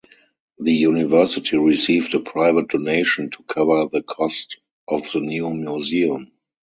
The university received a private donation to cover the cost of the new museum.